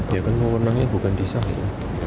ya kan umurnya bukan disahkan